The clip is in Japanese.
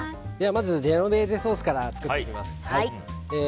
まずジェノベーゼソースから作っていきます。